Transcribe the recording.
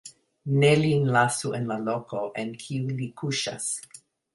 Ne lin lasu en la loko, en kiu li kuŝas.